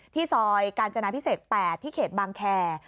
ซอยกาญจนาพิเศษ๘ที่เขตบางแคร์